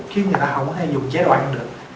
chứ người ta không thể dùng chế độ ăn được